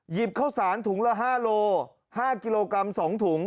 หยีบข้าวสารถุงละ๕กิโลกรัม๒ถุง